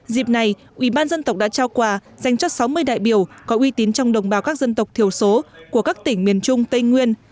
dịp này ủy ban dân tộc đã trao quà dành cho sáu mươi đại biểu có uy tín trong đồng bào các dân tộc thiểu số của các tỉnh miền trung tây nguyên